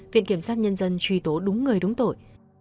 viện kiểm sát nhân dân truy tố đúng người đúng tội